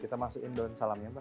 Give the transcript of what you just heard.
kita masukin daun salamnya mbak